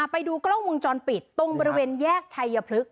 ไปดูกล้องวงจรปิดตรงบริเวณแยกชัยพฤกษ